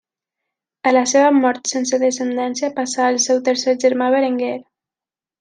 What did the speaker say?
A la seva mort sense descendència passà al seu tercer germà Berenguer.